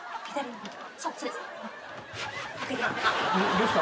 どうした？